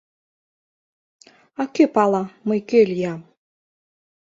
— А кӧ пала, мый кӧ лиям?..